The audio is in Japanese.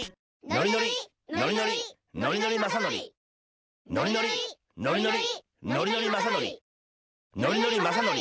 ノリノリノリノリノリノリマサノリノリノリノリノリノリノリマサノリノリノリマサノリ。